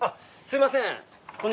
すいません